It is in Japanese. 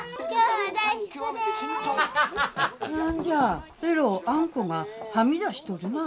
何じゃえろうあんこがはみ出しとるなあ。